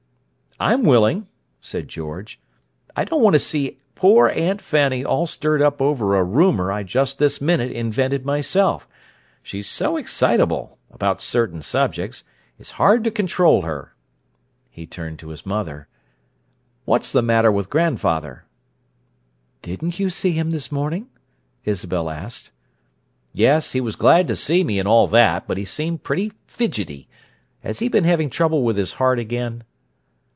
"I'm willing," said George. "I don't want to see poor Aunt Fanny all stirred up over a rumour I just this minute invented myself. She's so excitable—about certain subjects—it's hard to control her." He turned to his mother. "What's the matter with grandfather?" "Didn't you see him this morning?" Isabel asked. "Yes. He was glad to see me, and all that, but he seemed pretty fidgety. Has he been having trouble with his heart again?"